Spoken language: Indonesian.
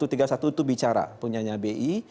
satu ratus tiga puluh satu itu bicara punyanya bi